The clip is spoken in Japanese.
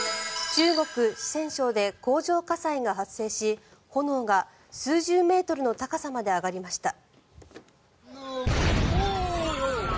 中国・四川省で工場火災が発生し炎が数十メートルの高さまで上がりました。